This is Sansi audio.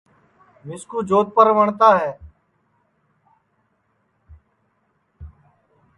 مِسکُو جودپُور وٹؔتا ہے